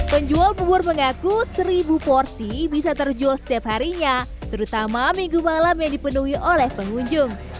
penjual bubur mengaku seribu porsi bisa terjual setiap harinya terutama minggu malam yang dipenuhi oleh pengunjung